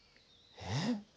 えっ？